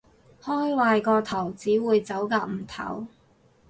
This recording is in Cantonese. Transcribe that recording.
開壞個頭，只會走夾唔唞